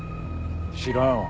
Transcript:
知らんわ。